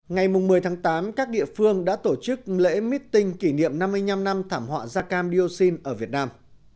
ngày một mươi tháng tám các địa phương đã tổ chức lễ meeting kỷ niệm năm mươi năm năm thảm họa da cam dioxin ở việt nam